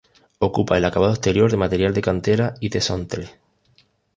Ocupa el acabado del exterior material de cantera y tezontle.